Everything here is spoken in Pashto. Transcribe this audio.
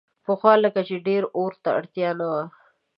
پخوا لکه چې ډېر اور ته اړتیا نه وه.